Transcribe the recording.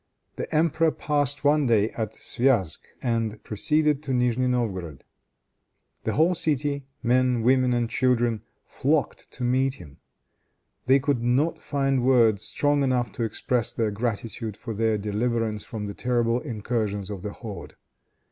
The emperor passed one day at Sviazk and then proceeded to Nigni Novgorod. The whole city, men, women and children, flocked to meet him. They could not find words strong enough to express their gratitude for their deliverance from the terrible incursions of the horde.